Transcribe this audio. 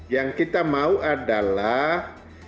yang kita mau adalah